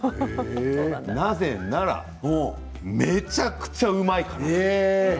なぜなら、もうめちゃくちゃうまいから。